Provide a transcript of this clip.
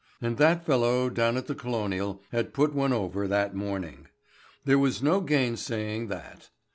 And that fellow down at the Colonial had put one over that morning. There was no gainsaying that.